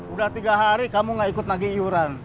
udah tiga hari kamu gak ikut lagi iuran